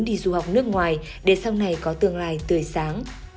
đi du học nước ngoài để sau này có tương lai tươi sáng